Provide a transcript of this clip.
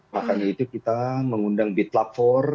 makanya itu kita mengundang bitlab empat